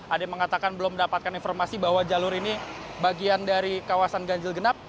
ada yang mengatakan belum mendapatkan informasi bahwa jalur ini bagian dari kawasan ganjil genap